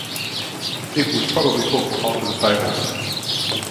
It was probably hooked on to the table.